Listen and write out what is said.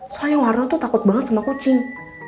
soalnya warna tuh takut banget sama kucing